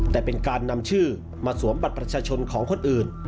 แต่เป็นการนำชื่อมาสวมบัตรประชาชนของคนอื่น